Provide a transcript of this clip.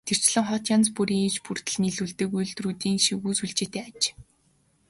Тэрчлэн хот янз бүрийн иж бүрдэл нийлүүлдэг үйлдвэрүүдийн шигүү сүлжээтэй аж.